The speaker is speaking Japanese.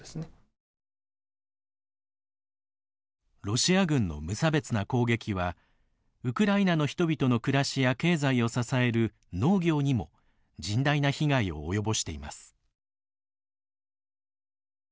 ロシア軍の無差別な攻撃はウクライナの人々の暮らしや経済を支える農業にも甚大な被害を及ぼしています。